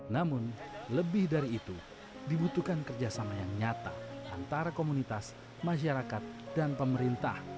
namun lebih dari itu dibutuhkan kerjasama yang nyata antara komunitas masyarakat dan pemerintah